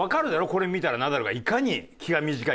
これ見たらナダルがいかに気が短いか。